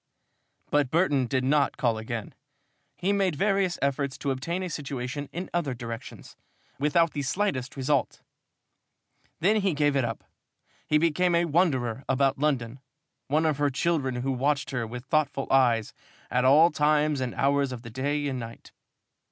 But Burton did not call again. He made various efforts to obtain a situation in other directions, without the slightest result. Then he gave it up. He became a wanderer about London, one of her children who watched her with thoughtful eyes at all times and hours of the day and night.